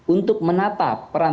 untuk menata peran